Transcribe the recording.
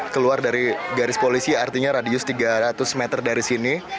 keluar dari garis polisi artinya radius tiga ratus meter dari sini